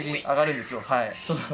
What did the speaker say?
上がるんですよ、はい。